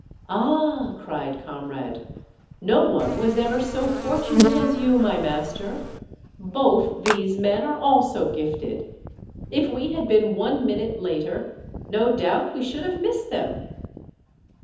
"Ah!" cried Comrade, "no one was ever so fortunate as you, my master; both these men are also gifted; if we had been one minute later no doubt we should have missed them.